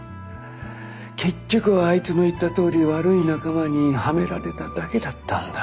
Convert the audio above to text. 結局はあいつの言ったとおり悪い仲間にはめられただけだったんだ。